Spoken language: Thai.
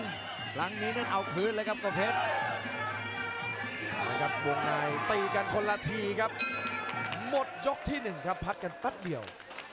ครั้งนี้นั้นเอาคืนเลยครับกระเพชรมาครับวงในตีกันคนละทีครับหมดยกที่หนึ่งครับพักกันแป๊บเดียว